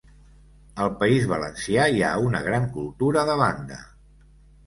Al País Valencià hi ha una gran cultura de banda.